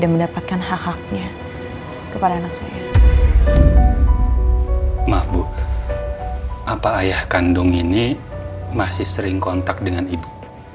maaf bu apa ayah kandung ini masih sering kontak dengan ibu